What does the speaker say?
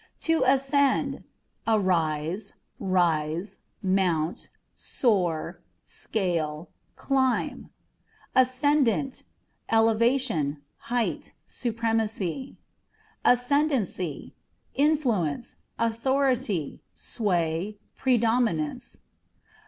To Ascend â€" arise, rise, mount, soar, scale, climb. Ascendantâ€" elevation, height, supremacy. Ascendency â€" influence, authority, sway, predominance.